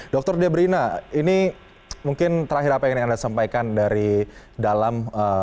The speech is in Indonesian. dr debrina ini mungkin terakhir apa yang ingin anda sampaikan dari dalam